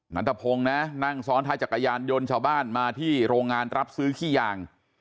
นัทพงศ์นะนั่งซ้อนท้ายจักรยานยนต์ชาวบ้านมาที่โรงงานรับซื้อขี้ยาง